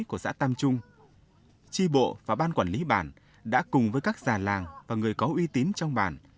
của xã tam trung chi bộ và ban quản lý bản đã cùng với các già làng và người có uy tín trong bản